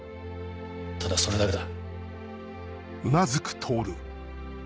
ただそれだけだ。